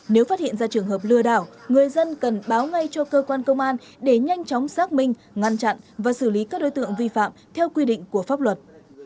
nếu phát hiện ra trường hợp lừa đảo người dân cần báo ngay cho cơ quan công an để nhanh chóng xác minh ngăn chặn và xử lý các đối tượng vi phạm theo quy định của pháp luật